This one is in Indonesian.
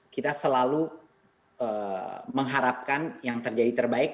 kita selalu mengharapkan yang terjadi terbaik